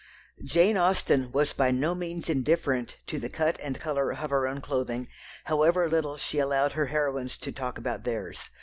Jane Austen was by no means indifferent to the cut and colour of her own clothing, however little she allowed her heroines to talk about theirs.